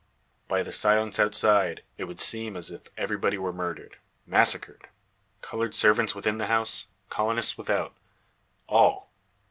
By the silence outside it would seem as if everybody were murdered, massacred coloured servants within the house, colonists without all!